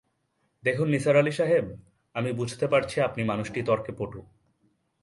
দেখুন নিসার আলি সাহেব, আমি বুঝতে পারছি আপনি মানুষটি তর্কে পটু।